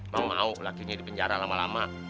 mau mau lakinya di penjara lama lama